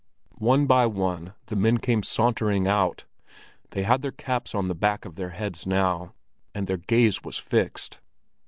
One by one the men came sauntering out. They had their caps on the back of their heads now, and their gaze was fixed.